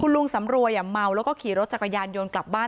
ลุงสำรวยเมาแล้วก็ขี่รถจักรยานยนต์กลับบ้าน